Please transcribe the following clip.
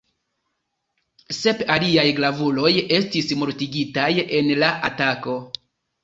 Sep aliaj gravuloj estis mortigitaj en la atako.